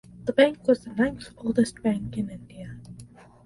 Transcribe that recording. The bank was the ninth oldest bank in India.